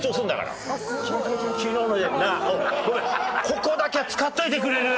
ここだけは使っといてくれる？